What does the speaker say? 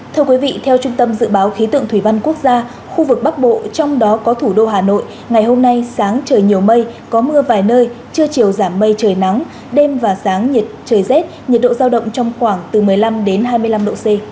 thưa quý vị theo trung tâm dự báo khí tượng thủy văn quốc gia khu vực bắc bộ trong đó có thủ đô hà nội ngày hôm nay sáng trời nhiều mây có mưa vài nơi trưa chiều giảm mây trời nắng đêm và sáng nhiệt trời rét nhiệt độ giao động trong khoảng từ một mươi năm hai mươi năm độ c